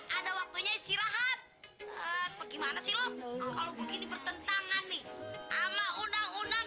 ada waktunya istirahat bagaimana sih lu kalau begini pertentangan nih ama undang undang